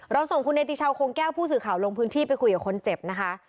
ส่งคุณเนติชาวโครงแก้วผู้สื่อข่าวลงพื้นที่ไปคุยกับคนเจ็บนะคะ